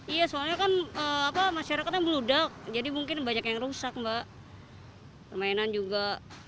iya soalnya kan masyarakatnya beludak jadi mungkin banyak yang rusak mbak permainan juga